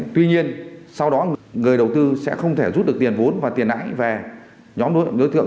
tuy nhiên sau đó người đầu tư sẽ không thể rút được tiền vốn và tiền nãi về nhóm đối tượng